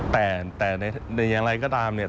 แต่อย่างไรก็ตามเนี่ย